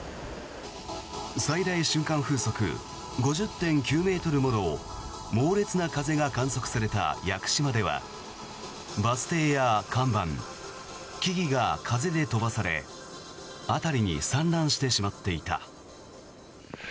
最大瞬間風速５０．９ｍもの猛烈な風が観測された屋久島ではバス停や看板、木々が風で飛ばされ辺りに散乱してしまっていた。